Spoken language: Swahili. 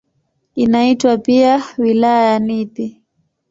Inaitwa pia "Wilaya ya Nithi".